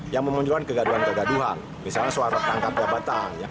yang memunculkan kegaduhan kegaduhan misalnya suara tangkap jabatan